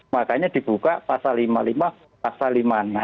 makanya dibuka pasal lima puluh lima pasal lima puluh enam